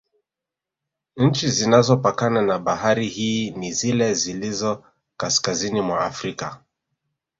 Nchi zinazopakana na bahari hii ni zile zilizo kaskazini Mwa frika